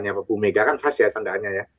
tandaannya bu mega kan khas ya tandaannya ya